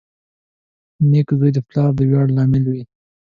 • نېک زوی د پلار د ویاړ لامل وي.